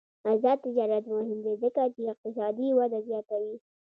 آزاد تجارت مهم دی ځکه چې اقتصادي وده زیاتوي.